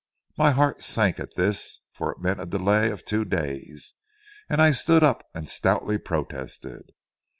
My heart sank at this, for it meant a delay of two days, and I stood up and stoutly protested.